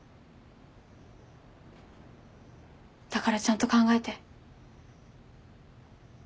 だからちゃんと考えて。